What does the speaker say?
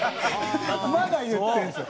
まだ言ってるんですよ。